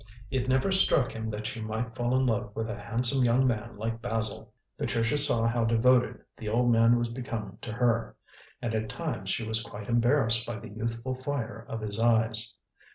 It never struck him that she might fall in love with a handsome young man like Basil. Patricia saw how devoted the old man was becoming to her, and at times she was quite embarrassed by the youthful fire of his eyes.